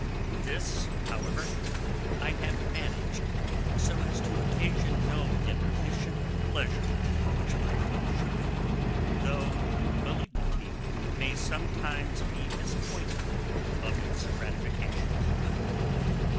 This, however, I have managed so as to occasion no diminution of the pleasure which my book should afford; though malignity may sometimes be disappointed of its gratifications.